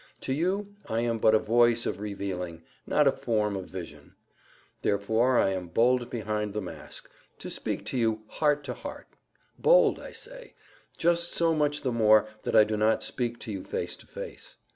To you I am but a voice of revealing, not a form of vision; therefore I am bold behind the mask, to speak to you heart to heart; bold, I say, just so much the more that I do not speak to you face to face.